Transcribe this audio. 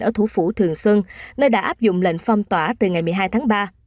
ở thủ phủ trường sơn nơi đã áp dụng lệnh phong tỏa từ ngày một mươi hai tháng ba